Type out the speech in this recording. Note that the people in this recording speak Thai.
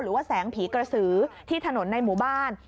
หรือว่าแสงผีกระสือที่ถนนในหมู่บ้าน